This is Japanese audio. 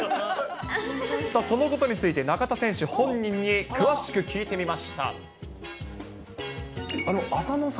そのことについて中田選手本人に詳しく聞いてみました。